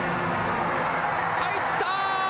入った。